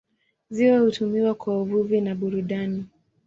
Ziwa hutumiwa kwa uvuvi na burudani.